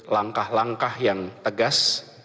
langkah langkah yang tegas